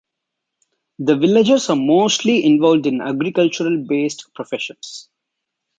The villagers are mostly involved in agricultural-based professions.